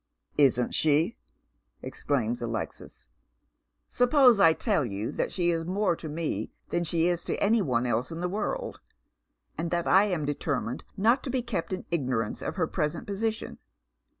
" Isn't she ?" exclaims Alexis. " Suppose I tell you that she is more to rue than she is to any one else in the world, and that I ara determined not to be kept in ignorance of her present posi tion.